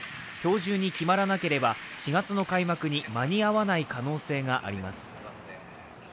今日中に決まらなければ、４月の開幕に間に合わない可能性があります。